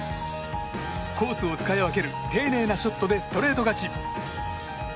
コースを使い分ける丁寧なショットでストレート勝ち。